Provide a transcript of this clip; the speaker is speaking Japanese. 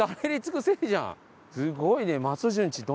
すごいね！